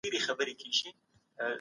مثبت فکر بریالیتوب نه دروي.